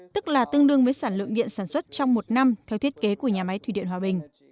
tức là tương đương với sản lượng điện sản xuất trong một năm theo thiết kế của nhà máy thủy điện hòa bình